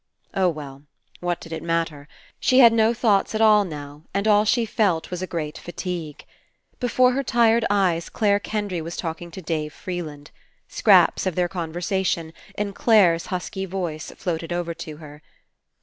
Oh well, what did it matter? She had no thoughts at all now, and all she felt was a great fatigue. Before her tired eyes Clare Kendry was talking to Dave Freeland. Scraps of their conversation, in Clare's husky voice, floated over to her